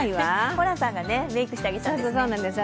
ホランさんがメイクしてあげたんですね。